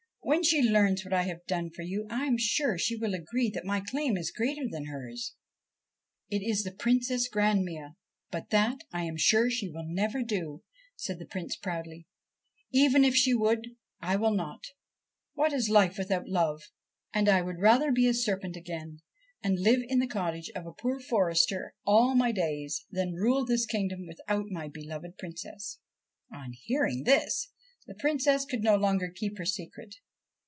' When she learns what I have done for you, I am sure she will agree that my claim is greater than hers.' ' It is the Princess Grannmia ; but that I am sure she will never 43 THE SERPENT PRINCE do/ said the Prince proudly. ' Even if she would, I will not. What is life without love? and I would rather be a serpent again, and live in the cottage of a poor forester all my days, than rule this kingdom without my beloved Princess.' On hearing this the Princess could no longer keep her secret.